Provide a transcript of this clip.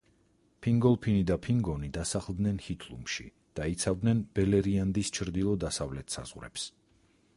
ფინგოლფინი და ფინგონი დასახლდნენ ჰითლუმში და იცავდნენ ბელერიანდის ჩრდილო-დასავლეთ საზღვრებს.